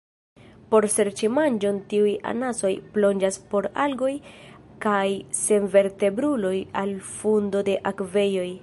Por serĉi manĝon tiuj anasoj plonĝas por algoj kaj senvertebruloj al fundo de akvejoj.